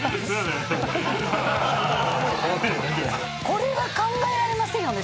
これは考えられませんよね